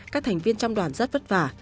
các thành viên trong đoàn rất vất vả